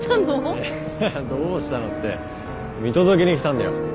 どうしたのって見届けに来たんだよ。